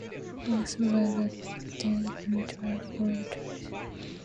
Wilcox was arrested and tried for treason.